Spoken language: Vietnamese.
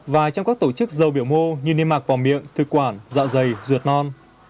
và trong các tổ chức dầu biểu mô như niên mạc vò miệng thư quản dạo dày ruột non